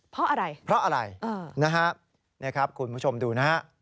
เพราะอะไรนะฮะนี่ครับคุณผู้ชมดูนะฮะ